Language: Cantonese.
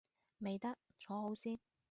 未得，坐好先